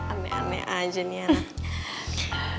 aneh aneh aja niana